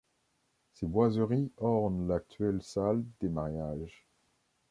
Ces boiseries ornent l'actuelle salle des mariages.